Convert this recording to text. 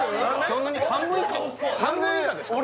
そんなに半分以下ですか？